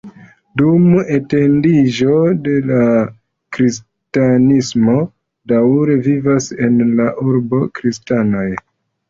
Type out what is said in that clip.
Dum etendiĝo de la kristanismo daŭre vivas en la urbo kristanoj.